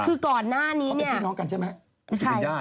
เค้าไปที่น้องกันใช่มั้ย